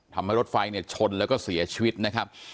ทำให้รถไฟเนี่ยชนแล้วก็เสียชีวิตนะครับ